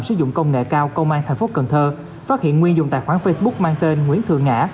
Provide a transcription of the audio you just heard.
sử dụng công nghệ cao công an tp cn phát hiện nguyên dụng tài khoản facebook mang tên nguyễn thường ngã